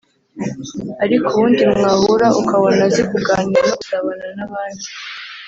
ariko ubundi mwahura ukabona azi kuganira no gusabana n’abandi